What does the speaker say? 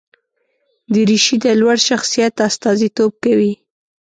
دریشي د لوړ شخصیت استازیتوب کوي.